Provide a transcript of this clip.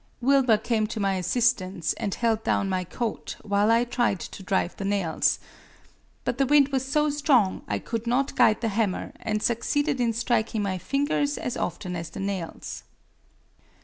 Wilbur came to my assistance and held down my coat while I tried to drive the nails. But the wind was so strong I could not guide the hammer and succeeded in striking my fingers as often as the nails.